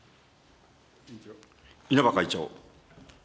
稲葉会長。